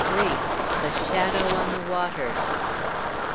THE SHADOW ON THE WATERS.